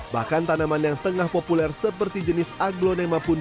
bahkan tanaman yang tengah populer seperti jenis aglonema pun